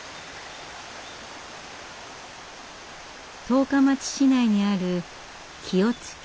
十日町市内にある清津峡。